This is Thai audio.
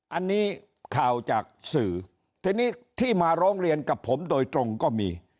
อันนี้ข่าวจากสื่อทีนี้ที่มาร้องเรียนกับผมโดยตรงก็มี